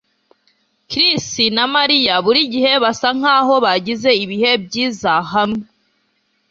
Chris na Mariya burigihe basa nkaho bagize ibihe byiza hamwe